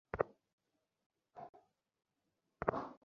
একদিন ঠিকই যোগ্য কেউ আসবে, তখন আবার অভিযোগ করো।